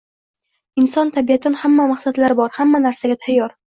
Inson tabiatan katta maqsadlari bor hamma narsaga tayyor